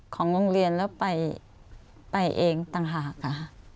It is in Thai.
ของโรงเรียนแล้วไปเองต่างหากค่ะ